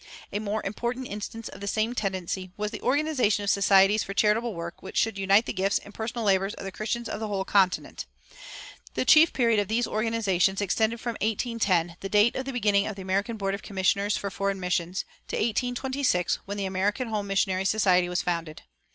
A more important instance of the same tendency was the organization of societies for charitable work which should unite the gifts and personal labors of the Christians of the whole continent. The chief period of these organizations extended from 1810, the date of the beginning of the American Board of Commissioners for Foreign Missions, to 1826, when the American Home Missionary Society was founded.